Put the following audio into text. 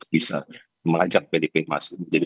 bisa mengajak ddp masih menjadi